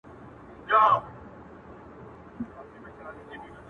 د ستورو په رڼا به رویباري کوو د میني.!